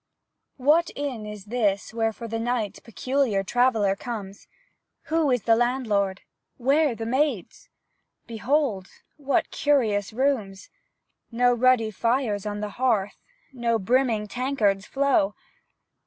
What inn is this Where for the night Peculiar traveller comes? Who is the landlord? Where the maids? Behold, what curious rooms! No ruddy fires on the hearth, No brimming tankards flow.